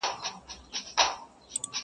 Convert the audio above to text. د یار دیدن آب حیات دی.!